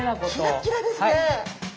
キラキラですね！